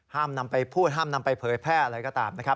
ห้ามนำไปพูดห้ามนำไปเผยแพร่อะไรก็ตามนะครับ